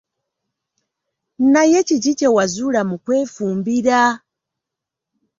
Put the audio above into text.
Naye kiki kye wazuula mu kwefumbira?